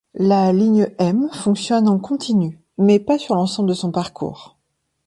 La ligne M fonctionne en continu, mais pas sur l'ensemble de son parcours.